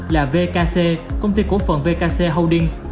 là vkc công ty cổ phận vkc holdings